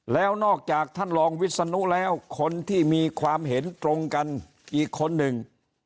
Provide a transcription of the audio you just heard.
แล้วนอกจากท่านรองวิศนุแล้วคนที่มีความเห็นตรงกันอีกคนหนึ่ง